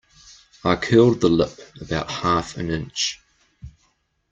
I curled the lip about half an inch.